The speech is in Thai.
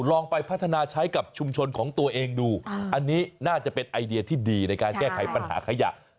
ลองไปพัฒนาใช้กับชุมชนของตัวเองดูอันนี้น่าจะเป็นไอเดียที่ดีในการแก้ไขปัญหาขยะ